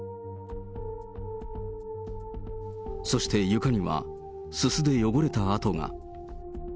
そして床には、すすで汚れた跡が。